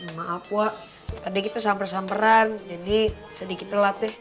maaf wah tadi gitu samper samperan jadi sedikit telat deh